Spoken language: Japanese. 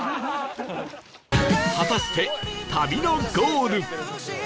果たして旅のゴール